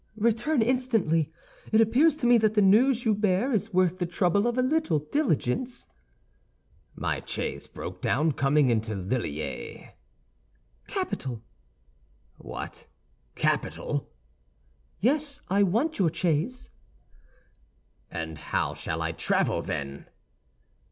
"Return instantly. It appears to me that the news you bear is worth the trouble of a little diligence." "My chaise broke down coming into Lilliers." "Capital!" "What, capital?" "Yes, I want your chaise." "And how shall I travel, then?"